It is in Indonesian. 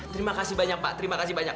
terima kasih banyak pak